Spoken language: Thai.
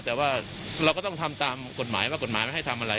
แต่ว่าเราก็ต้องทำตามกฎหมายว่ากฎหมายไม่ให้ทำอะไร